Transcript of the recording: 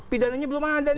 pidananya belum ada nih